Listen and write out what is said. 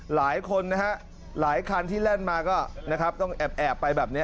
หลายคนนะฮะหลายคันที่แล่นมาก็นะครับต้องแอบไปแบบนี้